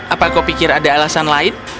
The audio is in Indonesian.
apa kau pikir ada alasan lain